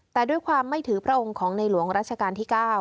แต่ด้วยความไม่ถือพระองค์ของในหลวงรัชกาลที่๙